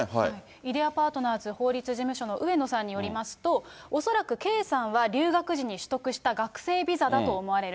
イデア・パートナーズ法律事務所の上野さんによりますと、恐らく、圭さんは留学時に取得した学生ビザだと思われる。